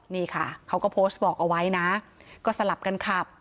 นี่ค่ะเขาก็โพสต์บอกเอาไว้นะก็สลับกันขับ